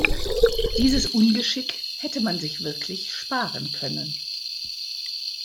Dieses Ungeschick hätte man sich wirklich sparen können.